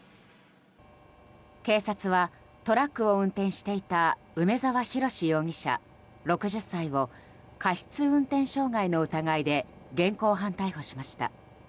警察は、トラックを運転していた梅沢洋容疑者、６０歳を過失運転傷害の疑いで現行犯逮捕しました。